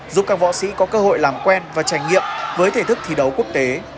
giúp các võ sĩ có cơ hội làm quen và trải nghiệm với thể thức thi đấu quốc tế